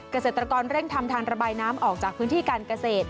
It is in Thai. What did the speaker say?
เกษตรกรเร่งทำทางระบายน้ำออกจากพื้นที่การเกษตร